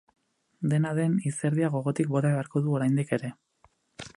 Dena den, izerdia gogotik bota beharko du oraindik ere.